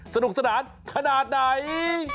สนุกสนานขนาดไหน